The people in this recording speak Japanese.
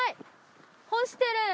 干してる。